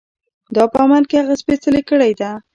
دا په عمل کې هغه سپېڅلې کړۍ ده.